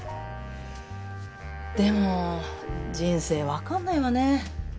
でも人生わかんないわね。